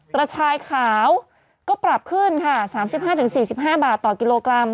กระชายขาวก็ปรับขึ้นค่ะ๓๕๔๕บาทต่อกิโลกรัม